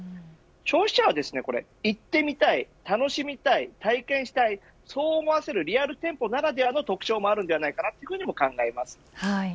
消費者は行ってみたい、楽しみたい体験したい、そう思わせるリアル店舗ならではの特徴があると思います。